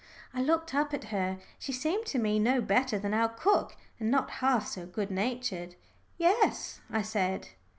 I looked up at her. She seemed to me no better than our cook, and not half so good natured. "Yes," I said.